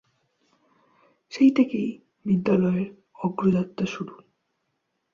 সেই থেকেই বিদ্যালয়ের অগ্রযাত্রা শুরু।